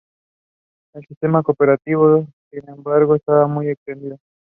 El sistema cooperativo, sin embargo, estaba muy extendido.